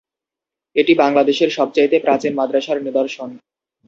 এটি বাংলাদেশের সবচাইতে প্রাচীন মাদ্রাসার নিদর্শন।